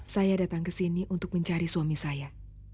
saya datang ke sini untuk mencari suami saya